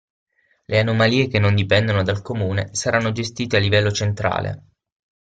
Le anomalie che non dipendono dal comune saranno gestite a livello centrale.